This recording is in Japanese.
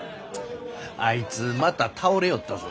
あいつまた倒れよったぞ。